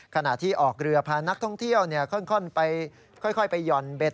ขณะที่ออกเรือพานักท่องเที่ยวเนี่ยค่อนไปค่อยไปหย่อนเบ็ด